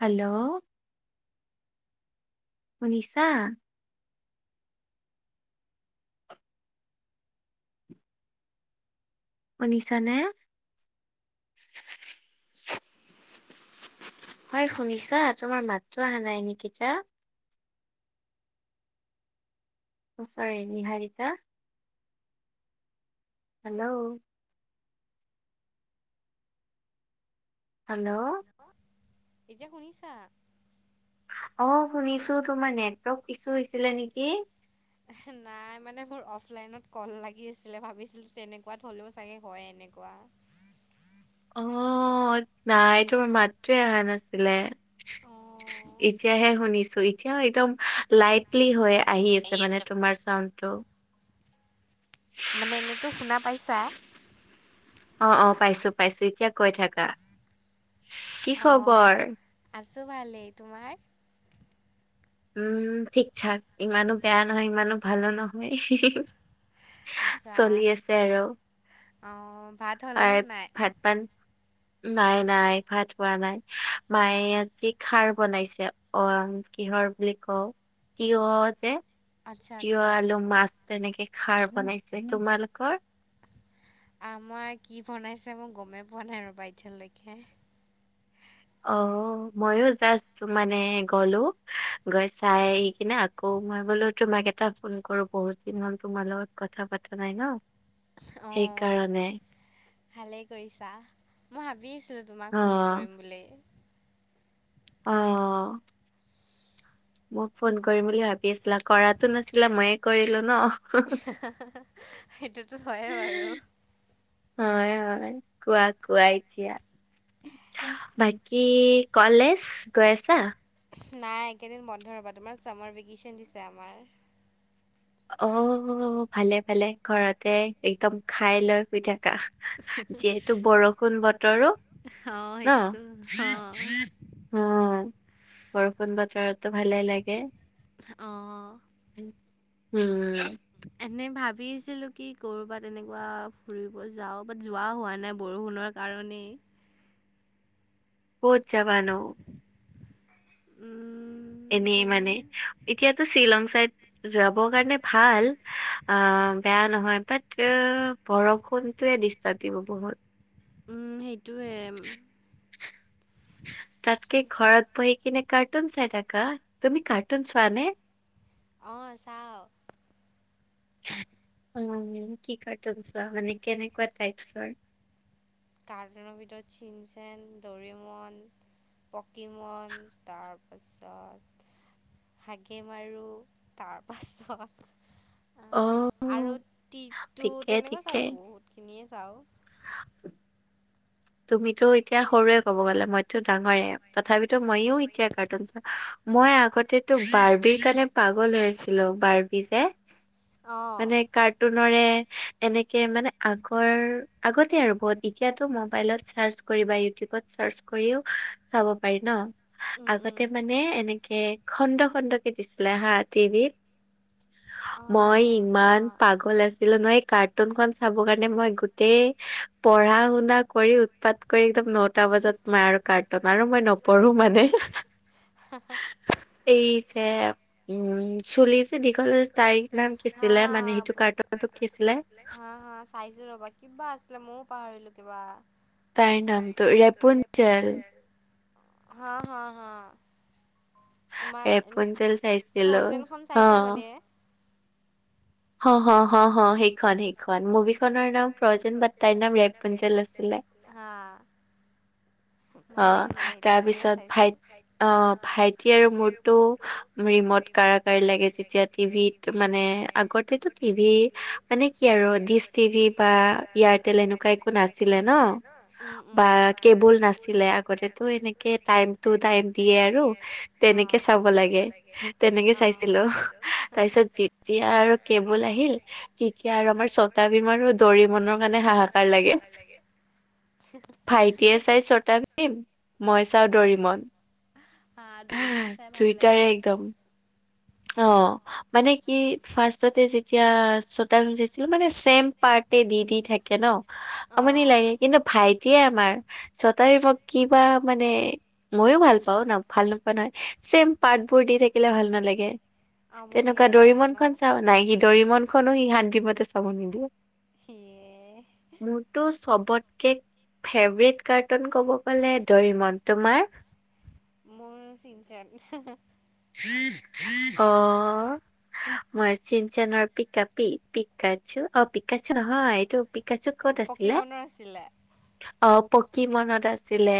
Hello. শুনিছা? শুনিছা নে? [inaudible] হয় শুনিছা তোমাৰ মাতটো অহা নাই নিকিতা। অ' চৰি নিহাৰিকা হেল্ল'। হেল্ল'। অ' এই যে শুনিছা? অ' শুনিছো তোমাৰ নেটৱৰ্ক ইছু হৈছিলে নেকি? নাই মানে মোৰ অফলাইনত কল লাগি আছিলে ভাবিছিলো তেনেকুৱাত হ'লেও চাগে হয় এনেকুৱা। অ' নাই তোৰ মাতটোৱে আহা নাছিলে। অ'। এতিয়াহে শুনিছো এতিয়া একদম লাইটলি হয়। আহি আছে মানে তোমাৰ ছাউণ্ডটো। মানে এনেইতো শুনা পাইছা। অ', অ' পাইছো, পাইছো এতিয়া কৈ থাকা। অ' আছোঁ ভালেই তোমাৰ। উম ঠিক ঠাক ইমানো বেয়া নহয়, ইমানো ভালো নহয়। চলি আছে আৰু এ ভাত পান নাই নাই ভাত হোৱা নাই, মায়ে আজি খাৰ বনাইছে অ' কিহৰ বুলি কও তিয়হ যে তিয়হ, আলু, মাছ তেনেকে খাৰ বনাইছে। তোমালোকৰ? আমাৰ কি বনাইছে মই গমেই পোৱা নাই ৰবা এতিয়ালৈকে। অ' ময়ো জাষ্ট মানে গ'লো গৈ চাই আহ কিনে আকৌ মই বোলো তোমাক এটা ফোন কৰো বহুত দিন হ'ল তোমাৰ লগত কথা পাতা নাই ন। অ' ভালেই কৰিছা মই ভাবি আছো তোমাক ফোন কৰিম বুলি। অ'। মোক ফোন কৰিম বুলি ভাবি আছিলা কৰাটো নাছিলা ময়ে কৰিলো ন। সেইটোতো হয় বাৰু। হয় হয় কোৱা কোৱা এতিয়া। বাকী কলেজ গৈ আছা? নাই একেদিন বন্ধ ৰবা, তোমাৰ ছামাৰ ভেকেশ্যন দিছে আমাৰ। অ ভালে-ভালে ঘৰতে একদম খাই লৈ শুই থাকা। যিহেতু বৰষুণ বতৰো ন। হয় বৰষুণ বতৰো ভালে লাগে। অ। উম। এনে ভাবিছিলো কি কৰবাত তেনেকুৱা ফুৰিব যাও, বাট যোৱা হোৱা নাই বৰষুণৰ কাৰণেই। ক'ত জাবা নু? উম। এনেই মানে এতিয়াতো শ্বিলং চাইদ যাবৰ কাৰণে ভাল, আহ বেয়া নহয় বাট বৰষুণতোয়ে ডিষ্টাৰ্ব দিব বহুত। উম সেইটোৱে। তাতকে ঘৰত বহি কিনে কাৰ্টুন চাই থাকা। তুমি কাৰ্টুন চোৱা নে? অ চাওঁ। অ কি কাৰ্টুন চোৱা মানে কেনেকুৱা টাইপচৰ? কাৰ্টুনৰ ভিতৰত চিন চেন, দৰিমন, পকীমন তাৰপাছত হাগে মাৰোঁ তাৰপাছত আৰু টিটু তেনেকুৱা চাওঁ বহুতখিনিয়ে চাওঁ। [unintelligible] তুমিতো এতিয়া সৰুৱে কব গ'লে, মইতো ডাঙৰে, তথাপিতো মইও এতিয়া কাৰ্টুন মই আগতেতো বাৰ্বিৰ কাৰণে পাগল হৈ আছিলো বাৰ্বি যে। মানে কাৰ্টুনৰে এনেকে মানে আগৰ আগতে আৰু বহুত এতিয়াতো মই মোবাইলত চাৰ্চ কৰি বা ইউটিউবত চাৰ্চ কৰিও চাব পাৰি ন। আগতে মানে এনেকে খণ্ড খণ্ডকে দিছিলে হা টিভিত। মই ইমান পাগল আছ আছিলো এই কাৰ্টুন খন চাব কাৰণে মই গোটেই পঢ়া-শুনা কৰি উৎপাত কৰি একদম টা বজাত মই আৰু কাৰ্টুন আৰু মই নপঢ়ো মানে। এই যে উম চলি যে দীঘল তাইৰ নাম কি আছিলে মানে সেইটো কাৰ্টনতোক কি আছিলে? হা হা চাইছো ৰবা। কিবা আছিলে মইয়ো পাহৰিলো কিবা। তাইৰ নামটো ৰেপুনঞ্চেল। হা হা হা। তোমাৰ এনে ফ্ৰজেন খান চাইছা মানে। হ হ হ সেই মুভিখনৰ নাম ফজেনাইৰ [unintelligible] আছিলে। হয় [unintelligible] অ তাৰপিছত ভাইট আহ ভাইটি আৰু মোৰ টো ৰিমত কাৰ কাৰি লাগে যেতিয়া টিভিত মানে আগতেতো টিভি মানে কি আৰু ডিচ টিভি বা এয়াৰটেল এনেকুৱা একো নাছিলে ন। বা কেবুল নাছিলে। আগতেটো এনেকে টাইম টু টাইম দিয়ে আৰু তেনেকে চাব লাগে তেনেকে চাইছিলো তাৰপিছত যেতিয়া আৰু কেবুল আহিল এতিয়া আৰু আমাৰ ছটা ভিম আৰু দৰি মনৰ কাৰণে হাহাকাৰ লাগে। ভাইটিয়ে চাই ছটাভীম মই চাওঁ দৰিমন। দুইটাৰে একদম, অ'। মানে কি ফাৰ্ষ্টতে যেতিয়া ছতাভীম চাইছিলোঁ, মানে চেম পাৰ্টকে দি দি থাকে ন। আমনি লাগে কিন্তু ভাইটিয়ে আমাৰ চতাভীমক কিবা মানে- ময়ো ভাল পাওঁ, ভাল নোপোৱা নহয়। চেম পাৰ্টবোৰ দি থাকিলে ভাল নালাগে। তেনেকুৱা দৰিমন খন চাও, নাই সি দৰিমনখনো সি শান্তিমতে চাব নিদিয়ে। সিয়ে, এহ মোৰতো চবত কে ফেভাৰেট কাৰ্টুন কব গ'লে দৰিমন। তোমাৰ? মোৰ চিনচেন। অ', মই চিনচেনৰ পি কা পি, পিকাচো অ', পিকাচো নহয়, এইটো পিকাচো ক'ত আছিলে? অ', পকীমনত আছিলে,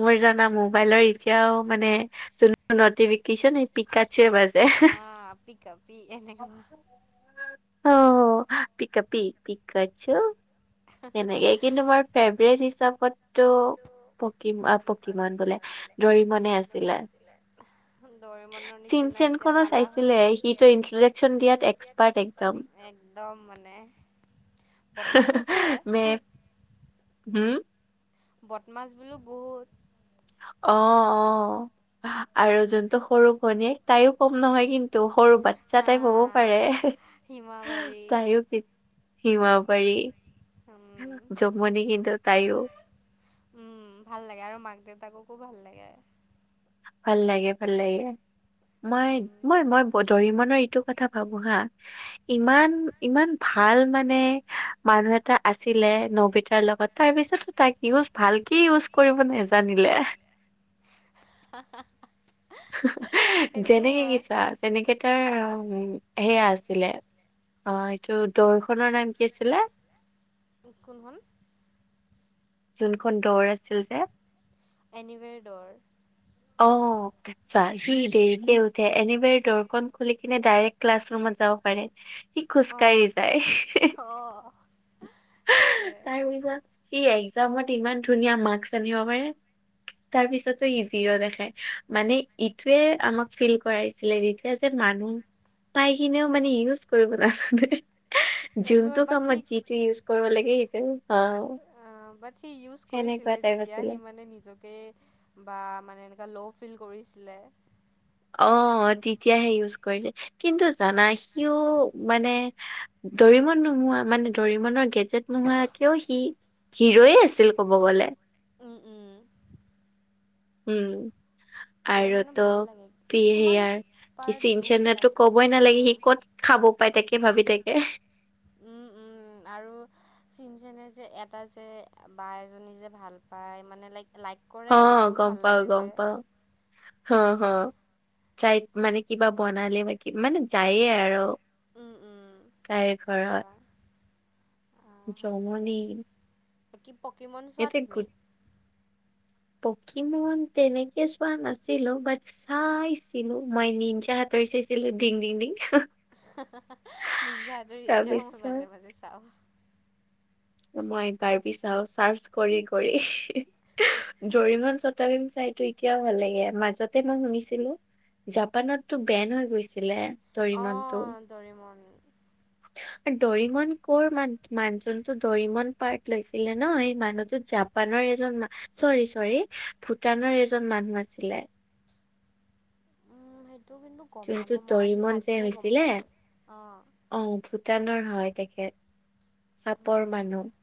মোৰ জানা মোবাইলৰ এতিয়াও মানে নটিফিকেচন - পিকাচোৰ বাজে অ', পি কা পি, পিকাচো, এনেকে কিন্তু আমাৰ - ফেভৰেট হিচাপত তটো পকি পকিমন বোলে দৰিমনেই আছিলে। দে। দৰিমনৰ নিচিনা এতিয়া পালা হয়, চাইছিলে সিটো ই্নজেকচন দিয়াত একদম মানে, বদমাছো আছিলে উম্, বদমাচ বোলো বহুত অ', অ', আৰু যোনটো সৰু ভনীয়েক, তাইও কম নহয় কিন্তু সৰু পাত ইচ্ছা তাই কবও পাৰে তাইো প সিমাবাৰী। যমনি কিন্তু তাইও উম্, ভাল লাগে আৰু মাক দেউতাককো ভাল লাগে। ভাল লাগে, ভাল লাগে, মই-মই-মই দৰিমনৰ ইটো কথা ভাবোঁ হা, ইমান ইমান ভাল ভাল মানে মানুহ এটা আছিলে নবিতাৰ লগত, তাৰ পিছতো তাক ইউজ ভালকে ইউজ কৰিব নেজানিলে। হা-হা, যেনেকে কি চোৱা, যেনেকে তাৰ সেয়া আছিলে, অ', এইটো দৰখনৰ নাম কি আছিলে? কোনখন? যোনখন ডৰ আছিল যে এনিৱেৰডৰ। অ', চোৱা, সি দেৰিকে উঠে। এনিৱেৰডৰ খন খুলি কিনে ডাইৰেক্ট ক্লাছ ৰুমত যাব পাৰে, সি খোজকাঢ়ি যায়। এক্টৰ। সি একজামত ইমান ধুনীয়া মাৰ্ক্স আনিব পাৰে। তাৰপিছতো ই জিঅ দেখাই, মানে এইটোৱে আমাক ফিল কৰায় যে- এতিয়া যে মানুহ পাই কিনেও মানে ইউজ কৰিব নাজানে যোনটো কামত যিটো ইউজ কৰিব লাগে, সেইটো অ', বাট সি ইউজ কৰিছিলে, যেতিয়া সি মানে নিজক তাকেই বা মানে এনেকুৱা ল' ফিল কৰিছিলে। অ, তেতিয়াহে ইউজ কৰিছে কিন্তু জানা সিও মানে দৰিমন নোহোৱা মানে দৰিমনৰ গেজেট নোহোৱাকেও সি হিৰয় আছিল ক'ব গ'লে! ওম, ওম। উম, আৰু তু পেহিয়াৰ কি চিন চনো কবই নালাগে, সি ক'ত খাব পাই তাকে ভাবি তাকে। উম, উম, আৰু চিম চেনে যে এটা যে বা এজনী যে ভাল পায় মানে লাইক-লাইক হ, গম পাও, গম পাও হ, হ। তাইক মানে কিবা বনালে বা মানে যায়ে আৰু। উম, উম, তেনেকুৱা। ভাল লাগে। বাকি পকিমণ চোৱা তুমি? পকিমন তেনেকে চোৱা নাছিলো বাট চাইছিলো মই নিনজা হাত তৰি চাইছিলো ডিং, ডিং, ডিং নিনজা আজৰি এতিয়াও মই মাজে, মাজে চাওঁ। মই বাৰবি চাও চাৰ্চ কৰি, কৰি জৰিমন চত চটাভিম চাইতো এতিয়াও ভাল লাগে, মাজতে মই শুনিছিলো। জাপানততো বেন হৈ গৈছিলে। অ, দৰিমন। দৰিমন ক'ৰ মান-মানুহজনতো দৰিমন পাৰ্ট লৈছিলে ন' সেই মানুহটো জাপ জাপানৰ এইজন চৰি, চৰি ভূটানৰ এইজন মানুহ আছিলে। উম, সেইটো কিন্তু গম নাপাও মই আজি আজিহে গম পালো, অ'। অ, ভূটানৰ হয় তেখেত, চাপৰ মানুহ।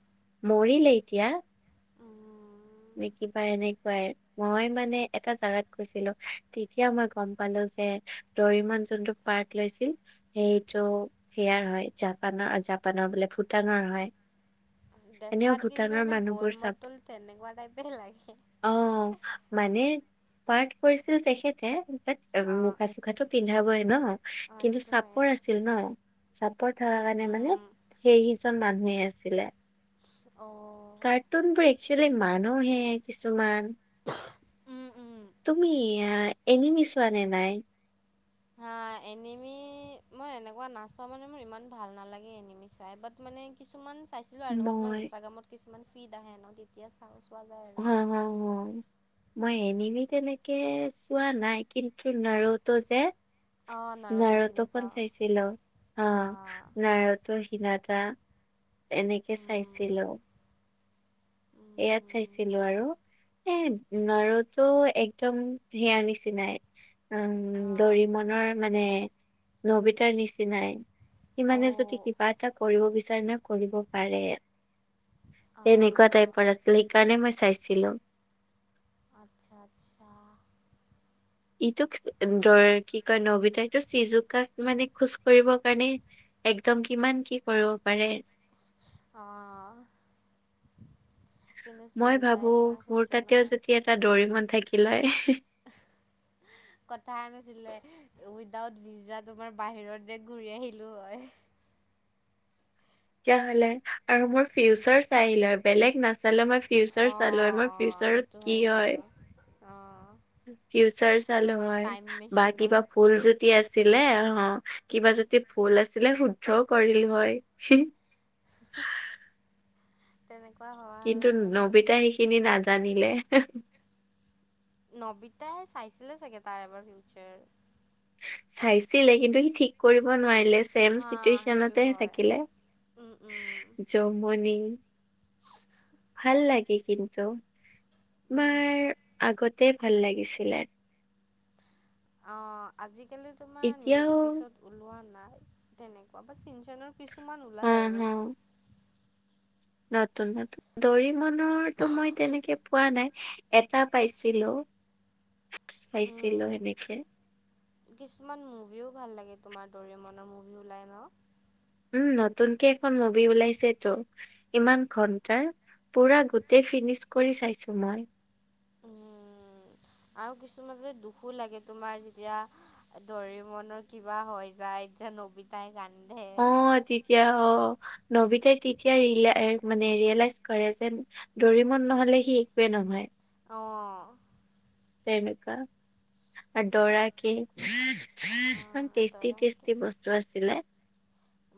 মৰিলে এতিয়া? উম। নেকিবা এনেকুৱাই। মই মানে এটা জেগাত গৈছিলো তেতিয়া মই গম পালো যে দৰিম যোনটো পাৰ্ট লৈছিল। সেইটো সেয়াৰ হয় জাপানৰ জাপানৰ বোলে ভূটানৰ হয়। দেখাত কিন্তু এনে গ'ল মটল তেনেকুৱা টাইপে লাগে। অ, মানে পাৰ্ট কৰিছিল তেখেতে বাট মুখ আছিল। কটো পিন্ধাবই ন' কিন্তু চাপৰ আছিল ন'? চাপৰ থকা কাৰণে মানে সেই সিজন মানুহেই আছিলে। অ'। নতুনবোৰ একচুলি মানুহে কিছুমান উম, উম। তুমি এ-এনিমি চোৱা নে নাই? হা, এনিমি মই এনেকুৱা নাচাও মানে মোৰ ইমান ভাল নালাগে এনিমি চাই, বাট মানে কিছুমান চাইছিলো আৰু এনেকুৱা তোমাৰ ইনষ্টাগ্ৰামত কিছুমান ফিড আহে তেতিয়া চাও, চোৱা যায় আৰু। মই এনেমি তেনেকে চোৱা নাই কিন্তু নৰোটো যে স্মাৰতখন চাইছিলো। অ, নাৰটো হীনাদা এনেকে চাইছিলো। ইয়াত চাইছিলো আৰু। এ, নাৰতো একদম হেয়াৰ নিচিনাই। উম, দৰিমনৰ মানে নবিতাৰ নিচিনাই। সিমানে যদি কিবা এটা কৰিব বিচাৰে ন' কৰিব পাৰে। তেনেকুৱা টাইপৰ আছিল সেইকাৰণে মই চাইছিলো। আচ্ছা, আচ্ছা। ইটোক কি কয় নবিতা এইটো চিজুকা মানে খোজ কঢ়িবৰ কাৰণে একদম কিমান কি কৰিব পাৰে? অ', কিন্তু চিজোকাই তোমাৰ হৈছে নহয়। এটা দৰিমন থাকিলে [inaudible] কথা আনিছিলে উইদাউট ভিজা তোমাৰ বাহিৰৰ দেশ ঘূৰি আহিলো হয়। তেতিয়া হ'লে আৰু মোৰ ফিউচাৰ চাই আহিলো হয়, বেলেগ নাচালেও মই ফিউচাৰ চালো আমাৰ ফিউচাৰত কি হয়? ফিউচাৰ চালো হয় বা কিবা ভুল যদি আছিলে অ', কিবা যদি ভুল আছিলে শুদ্ধও কৰিলো হয়। তেনেকৈ কিন্তু নবিতা সেইখিনি নাজানিলে। নবিতাই চাইছিলে চাগে তাৰ এবাৰ ফিউচাৰ চাইছিলে কিন্তু সি ঠিক কৰিব নোৱাৰিলে ছেম চিটুৱেচনতে থাকিলে। যমনি ভাল লাগে কিন্তু বাৰ আগতে ভাল লাগিছিলে। অ', আজিকালি তোমাৰ নিউ এপিচদ ওলোৱা নাই তেনেকুৱা বা চিনছেনৰ কিছুমান ওলায় আৰু। নতুন নতুন দৰি মনৰতো মই তেনেকে পোৱা নাই এটা পাইছিলোঁ চাইছিলোঁ সেনেকে। কিছুমান মুভিও ভাল লাগে তোমাৰ দৰি মনৰ মুভি ওলাই ন। উম, নতুনকে এখন মুভি ওলাইছেতো। ইমান ঘন্টাৰ পুৰা গোটেই ফিনিচ কৰি চাইছো মই। উম, আৰু কিছুমান যে দুখো লাগে তোমাৰ যেতিয়া দৰি মনৰ কিবা হৈ যায়, যে নবিতাই কান্ধে। তেতিয়া অ', নবিতাই তেতিয়া ৰিল মানে ৰিয়েলাইজ কৰে যে দৰিমন নহলে সি একোৱেই নহয়। অ', তেনেকা। আৰু দৰা কি ইমান টেষ্টি টেষ্টি বস্তু আছিলে।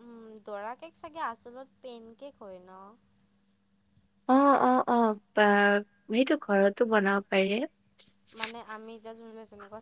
উম, দৰা কেক চাগে আচলত পেন কেক হয় ন? অ', অ', অ', বা সেইটো ঘৰতো বনাব পাৰে। মানে আমি এতিয়া ধৰি লও যেনেকুৱা